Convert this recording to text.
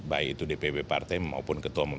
baik itu dpp partai maupun ketua umum